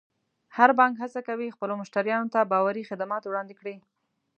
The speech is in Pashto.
هر بانک هڅه کوي خپلو مشتریانو ته باوري خدمات وړاندې کړي.